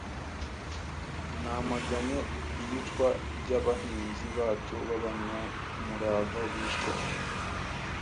"Namaganye iyicwa ry'abahinzi bacu b'abanyamurava bishwe